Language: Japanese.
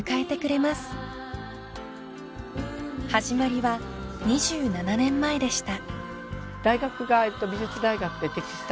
［始まりは２７年前でした］